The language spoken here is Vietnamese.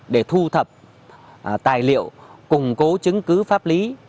để thu thập tài liệu củng cố chứng cứ pháp lý